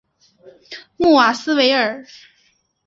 穆瓦斯维尔。